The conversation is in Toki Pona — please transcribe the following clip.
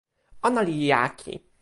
ona li jaki!